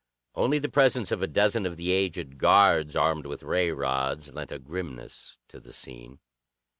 Only the presence of a dozen of the aged guards, armed with ray rods, lent a grimness to the scene.